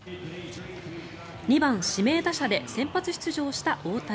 ２番指名打者で先発出場した大谷。